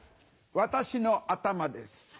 私の頭です。